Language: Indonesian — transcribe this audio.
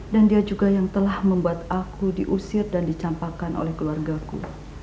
dan dia juga yang telah membuat aku diusir dan dicampakan oleh keluargaku